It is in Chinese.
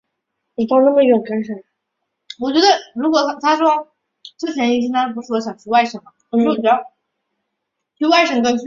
正修科技大学是一所位于中华民国台湾高雄市鸟松区的私立科技大学。